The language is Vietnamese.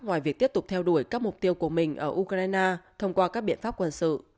ngoài việc tiếp tục theo đuổi các mục tiêu của mình ở ukraine thông qua các biện pháp quân sự